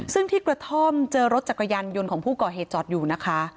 ซึ่งที่กระท่อมเจอรถจักรยานยนต์ของผู้ก่อเหตุจอดอยู่นะคะ